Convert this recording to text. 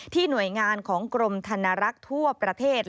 หน่วยงานของกรมธนรักษ์ทั่วประเทศ